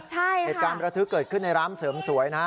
เหตุการณ์ประทึกเกิดขึ้นในร้านเสริมสวยนะฮะ